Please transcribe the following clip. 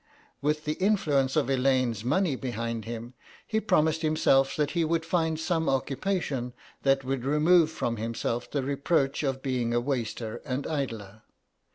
With the influence of Elaine's money behind him he promised himself that he would find some occupation that would remove from himself the reproach of being a waster and idler.